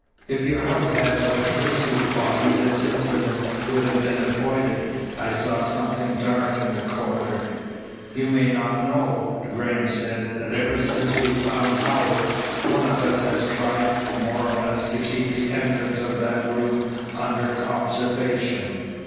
If your house had electricity, Bobby, this incident would have been avoided. I saw something dark in the corridor." "You may not know," Graham said, "that ever since we found Howells, one of us has tried, more or less, to keep the entrance of that room under observation."